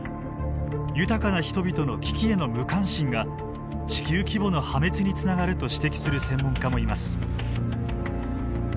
豊かな人々の危機への無関心が地球規模の破滅につながると指摘する専門家もいます。